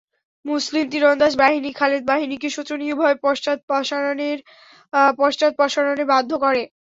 মুসলিম তীরন্দাজ বাহিনী খালেদ বাহিনীকে শোচনীয়ভাবে পশ্চাদপসারণে বাধ্য করে।